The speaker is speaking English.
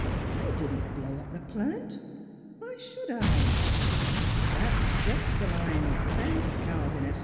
" I didn't blow up the plant. Why should I?" " That's just the line of defense Calvin S.